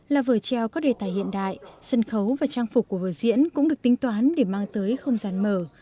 là vở trèo có đề tài hiện đại sân khấu và trang phục của vở diễn cũng được tính toán để mang tới không gian mở